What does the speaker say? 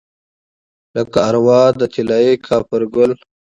لکه اروا د طلايي کاپرګل